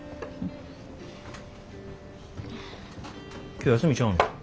今日休みちゃうの？